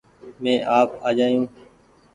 مينٚ آپ آجآيو